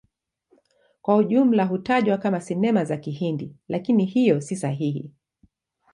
Kwa ujumla hutajwa kama Sinema za Kihindi, lakini hiyo si sahihi.